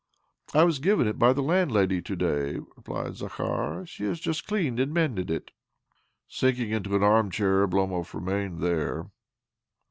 " I was given it by the landlady to day," replied Zakhar. " Shte has just cleaned and mended it." Sinking into an arm chair, Oblomov re mained there.